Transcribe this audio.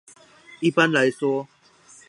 一般來說